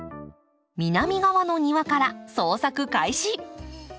南側の庭から捜索開始。